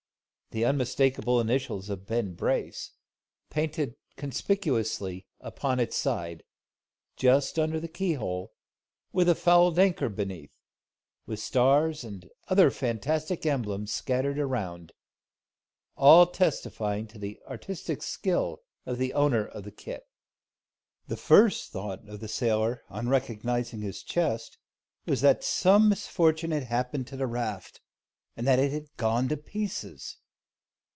the unmistakable initials of Ben Brace, painted conspicuously upon its side, just under the keyhole, with a "fouled anchor" beneath, with stars and other fantastic emblems scattered around, all testifying to the artistic skill of the owner of the kit. The first thought of the sailor, on recognising his chest, was that some misfortune had happened to the raft, and that it had gone to pieces.